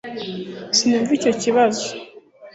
sinumva icyo kibazo